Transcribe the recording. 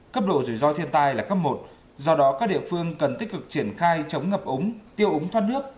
cấp độ rủi ro thiên tai là cấp một do đó các địa phương cần tích cực triển khai chống ngập ống tiêu úng thoát nước